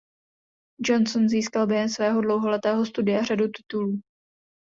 Johnson získal během svého dlouholetého studia řadu titulů.